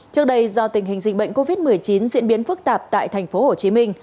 trước đây do tình hình dịch bệnh covid một mươi chín diễn biến phức tạp tại tp hcm